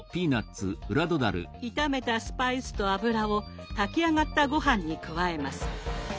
炒めたスパイスと油を炊き上がったごはんに加えます。